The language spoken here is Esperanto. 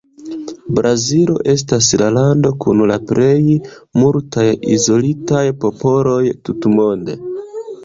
Brazilo estas la lando kun la plej multaj izolitaj popoloj tutmonde.